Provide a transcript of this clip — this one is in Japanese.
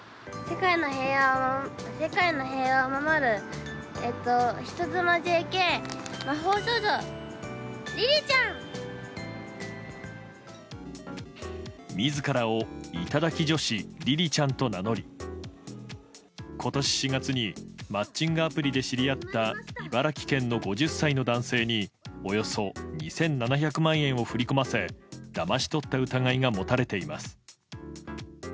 世界の平和を守る人妻ＪＫ魔みずからを頂き女子りりちゃんと名乗り、ことし４月にマッチングアプリで知り合った茨城県の５０歳の男性に、およそ２７００万円を振り込ませ、だまし取った疑いが持たれています。